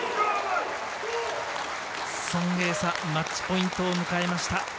ソン・エイサマッチポイントを迎えました。